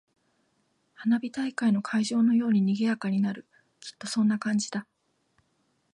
花火大会の会場のように賑やかになる。きっとそんな感じだ。